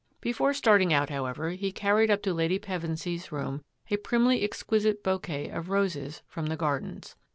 Before starting out, however, he carried up to Lady Pevensy's room a primly exquisite bouquet of roses from the gardens.